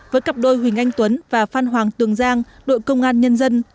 với cặp đôi huỳnh anh tuấn và phan hoàng tường giang đội công an nhân dân